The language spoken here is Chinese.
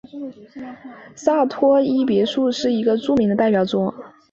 萨伏伊别墅是一个著名的代表作。